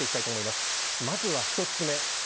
まずは１つ目。